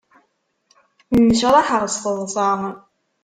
Nnecraḥeɣ s teḍṣa.